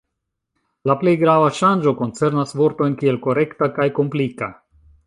La plej grava ŝanĝo koncernas vortojn kiel "korekta" kaj "komplika".